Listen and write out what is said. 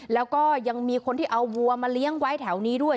แล้วก็ยังมีคนที่เอาวัวมาเลี้ยงไว้แถวนี้ด้วย